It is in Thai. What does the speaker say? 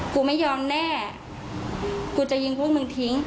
กูไม่ยอมแน่กูจะยิงพวกมึงทิ้ง